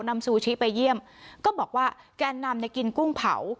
ซูชิไปเยี่ยมก็บอกว่าแกนนำเนี่ยกินกุ้งเผา